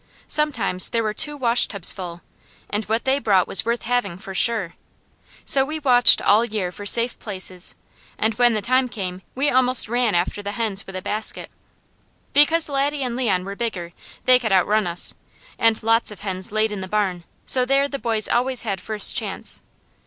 Sometimes there were two washtubs full, and what they brought was worth having, for sure. So we watched all year for safe places, and when the time came we almost ran after the hens with a basket. Because Laddie and Leon were bigger they could outrun us, and lots of hens laid in the barn, so there the boys always had first chance.